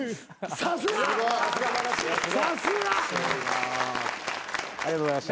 さすが！ありがとうございました。